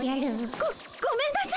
ごごめんなさい。